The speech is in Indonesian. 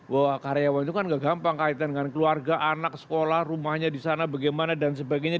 bahwa karyawan itu kan gak gampang kaitan dengan keluarga anak sekolah rumahnya di sana bagaimana dan sebagainya